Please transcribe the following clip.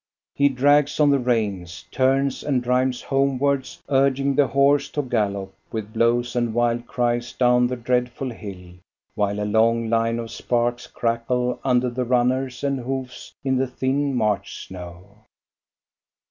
He drags on the reins, turns, and drives homewards, urging the horse to a gallop with blows and wild cries down the dreadful hill, while a long line of sparks crackle under the runners and hoofs in the thin March snow.